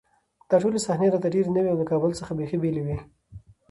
دا ټولې صحنې راته ډېرې نوې او له کابل څخه بېخي بېلې وې